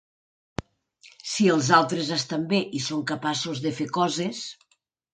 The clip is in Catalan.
...si els altres estan bé i són capaços de fer coses